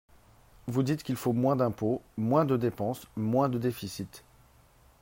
Vous dites qu’il faut moins d’impôts, moins de dépenses, moins de déficit.